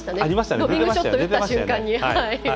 ロビングショット打った瞬間に。